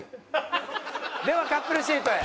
ではカップルシートへ。